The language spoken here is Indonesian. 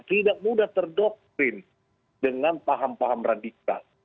tidak mudah terdoktrin dengan paham paham radikal